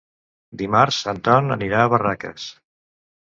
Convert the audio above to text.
Dimarts en Ton anirà a Barraques.